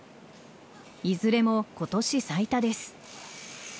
いずれも今年最多です。